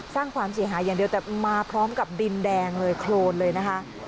สร้างความเสียหายอย่างเดียวแต่มาพร้อมกับดินแดงเลยโครนเลยนะคะ